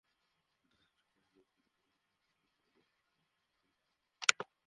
তাঁদের চোখ থেকে হয়তোবা অপসৃত নিহত কিংবা পঙ্গুত্বের পথগামী তাঁদের সহকর্মীরা।